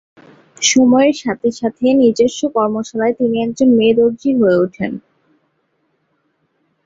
সময়ের সাথে সাথে নিজস্ব কর্মশালায় তিনি একজন মেয়ে-দর্জি হয়ে ওঠেন।